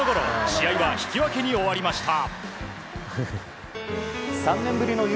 試合は引き分けに終わりました。